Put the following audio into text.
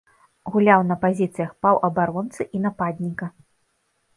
Гуляў на пазіцыях паўабаронцы і нападніка.